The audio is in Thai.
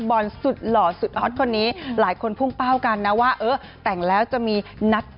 บอลสุดหล่อสุดฮอตคนนี้หลายคนพุ่งเป้ากันนะว่าเออแต่งแล้วจะมีนัด